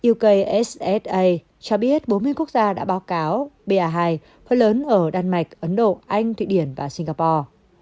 ukssa cho biết bốn mươi quốc gia đã báo cáo ba hai hơi lớn ở đan mạch ấn độ anh thụy điển và singapore